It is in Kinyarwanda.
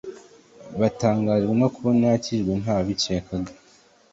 batangazwe no kubona yakijijwe nta wabikekaga.